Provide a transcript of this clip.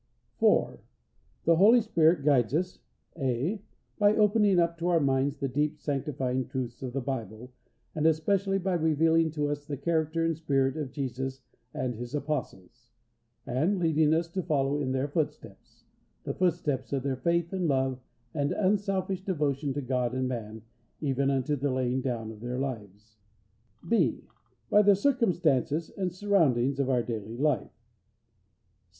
4. The Holy Spirit guides us (a) By opening up to our minds the deep, sanctifying truths of the Bible, and especially by revealing to us the character and spirit of Jesus and His Apostles, and leading us to follow in their footsteps the footsteps of their faith and love and unselfish devotion to God and man, even unto the laying down of their lives. (b) By the circumstances and surroundings of our daily life.